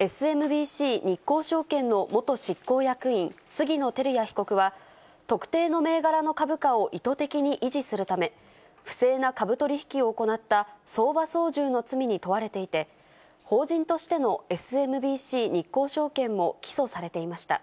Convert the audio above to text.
ＳＭＢＣ日興証券の元執行役員、杉野輝也被告は、特定の銘柄の株価を意図的に維持するため、不正な株取り引きを行った相場操縦の罪に問われていて、法人としてのＳＭＢＣ日興証券も起訴されていました。